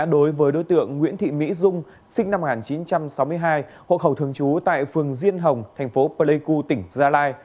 đối với đối tượng nguyễn thị mỹ dung sinh năm một nghìn chín trăm sáu mươi hai hộ khẩu thường trú tại phường diên hồng thành phố pleiku tỉnh gia lai